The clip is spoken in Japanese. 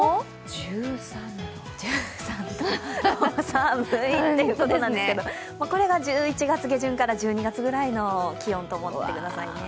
寒いんですけど、これが１１月下旬から１２月ぐらいの気温と思ってくださいね。